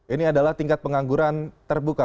ini adalah tingkat pengangguran terbuka